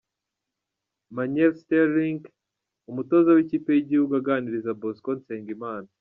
Magnell Sterling umutoza w'ikipe y'igihugu aganiriza Bosco Nsengimana.